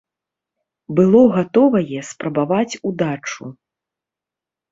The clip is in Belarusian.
Было гатовае спрабаваць удачу.